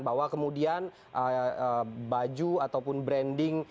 bahwa kemudian baju ataupun branding